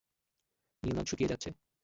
নীলনদ শুকিয়ে যাচ্ছে।